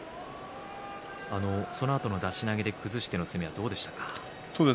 そのあとの出し投げで崩しての攻めはどうでしたか。